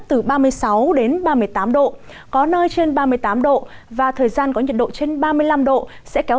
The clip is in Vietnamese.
từ ba mươi sáu đến ba mươi tám độ có nơi trên ba mươi tám độ và thời gian có nhiệt độ trên ba mươi năm độ sẽ kéo